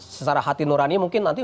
secara hati nurani mungkin nanti